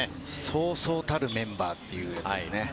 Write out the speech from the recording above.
そうそうたるメンバーということですね。